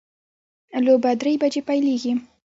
لوبه درې بجې پیلیږي